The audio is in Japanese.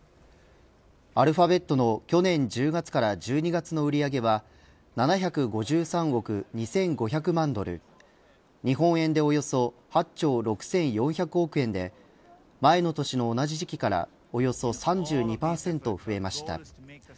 アルファベットの去年１０月から１２月の売り上げは７５３億２５００万ドル日本円でおよそ８兆６４００億円で前の年の同じ時期からおよそ３２％増えました。